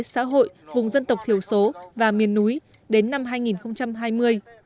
xã hội vùng dân tộc thiểu số và miền núi đến năm hai nghìn hai mươi